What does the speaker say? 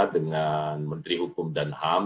dengan menteri hukum dan ham